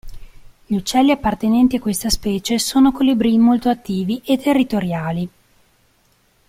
Gli uccelli appartenenti a questa specie sono colibrì molto attivi e territoriali.